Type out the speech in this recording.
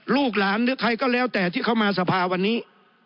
ลูกหลานหรือใครก็แล้วแต่ที่เข้ามาสภาวันนี้